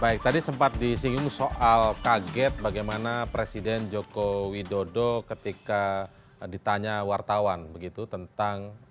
baik tadi sempat disinggung soal kaget bagaimana presiden joko widodo ketika ditanya wartawan begitu tentang